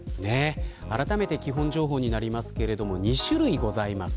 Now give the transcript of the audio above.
あらためて基本情報になりますが２種類ございます。